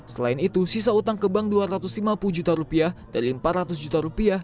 selain itu sisa utang ke bank dua ratus lima puluh juta rupiah dari empat ratus juta rupiah